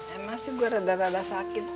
emang sih gue rada rada sakit